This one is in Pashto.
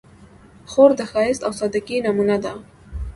خور د ښایست او سادګۍ نمونه ده.